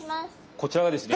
こちらがですね